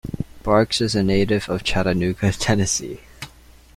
Barks is a native of Chattanooga, Tennessee.